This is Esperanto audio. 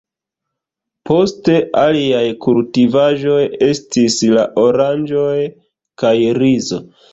Poste aliaj kultivaĵoj estis la oranĝoj kaj rizo.